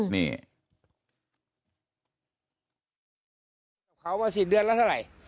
นี่